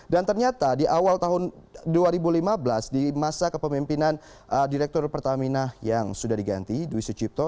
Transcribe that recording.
dan ternyata di awal tahun dua ribu lima belas di masa kepemimpinan direktur pertamina yang sudah diganti duwis ucipto